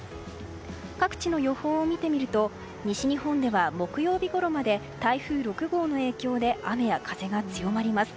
各地の予報を見てみると西日本では木曜日ごろまで台風６号の影響で雨や風が強まります。